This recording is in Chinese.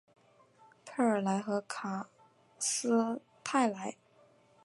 佩尔莱和卡斯泰莱。